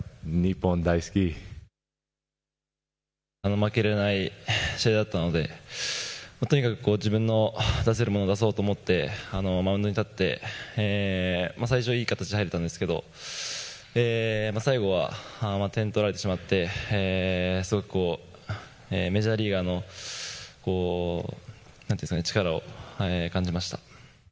負けられない試合だったのでとにかく自分の出せるものを出そうと思って、マウンドに立って最初はいい形で入れたんですけれども最後は点取られてしまってすごく、メジャーリーガーの、何て言うんですかね、力を感じました。